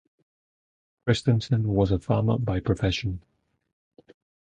Kristensen was a farmer by profession.